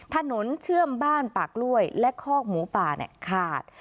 ถนนเชื่อมบ้านปากกล้วยและคอกหมูป่าขาด